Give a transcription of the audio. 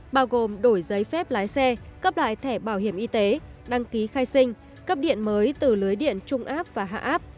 bao gồm đổi giấy phép lái xe cấp lại thẻ bảo hiểm y tế đăng ký khai sinh cấp điện mới từ lưới điện trung áp và hạ áp